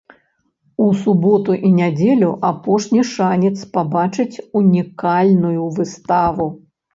У суботу і нядзелю апошні шанец пабачыць унікальную выставу.